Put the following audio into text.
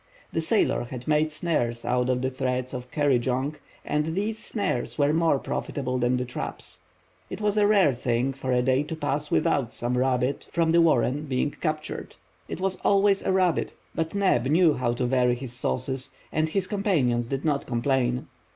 The sailor had made snares out of the threads of curry jonc, and these snares were more profitable than the traps. It was a rare thing for a day to pass without some rabbit from the warren being captured. It was always a rabbit, but Neb knew how to vary his sauces, and his companions did not complain.